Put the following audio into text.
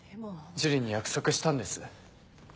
珠里に約束したんです。